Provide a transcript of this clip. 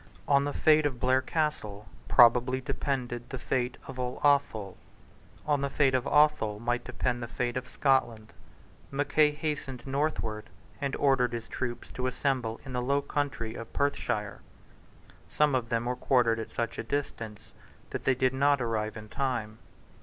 On the fate of Blair Castle probably depended the fate of all Athol. On the fate of Athol might depend the fate of Scotland. Mackay hastened northward, and ordered his troops to assemble in the low country of Perthshire. Some of them were quartered at such a distance that they did not arrive in time.